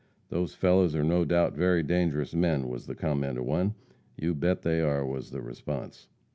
Those fellows are no doubt very dangerous men," was the comment of one. "You bet they are," was the response.